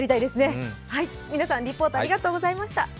皆さん、リポートありがとうございました。